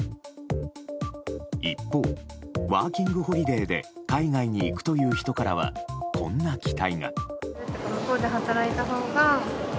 一方、ワーキングホリデーで海外に行くという人からはこんな期待が。